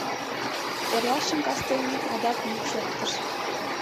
Эрлашым кастене адак йӱк шоктыш